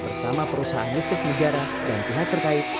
bersama perusahaan listrik negara dan pihak terkait